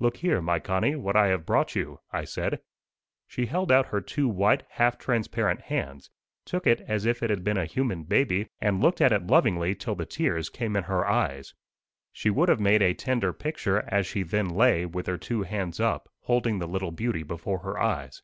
"Look here, my Connie, what I have brought you," I said. She held out her two white, half transparent hands, took it as if it had been a human baby and looked at it lovingly till the tears came in her eyes. She would have made a tender picture, as she then lay, with her two hands up, holding the little beauty before her eyes.